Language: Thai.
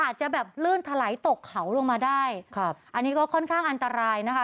อาจจะแบบลื่นถลายตกเขาลงมาได้ครับอันนี้ก็ค่อนข้างอันตรายนะคะ